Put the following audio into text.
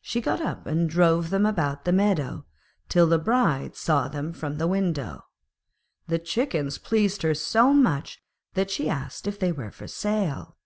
She got up and drove them about the meadow, till the Bride saw them from the window. The chickens pleased her so much that she asked if they were for sale.